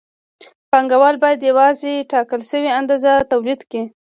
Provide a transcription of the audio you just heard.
پانګوال باید یوازې ټاکل شوې اندازه تولید کړي